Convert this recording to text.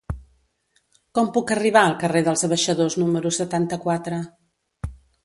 Com puc arribar al carrer dels Abaixadors número setanta-quatre?